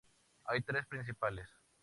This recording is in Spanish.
Hay tres principales.